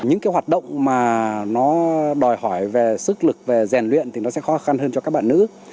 những cái hoạt động mà nó đòi hỏi về sức lực về rèn luyện thì nó sẽ khó khăn hơn cho các bạn nữ